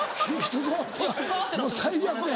もう最悪や。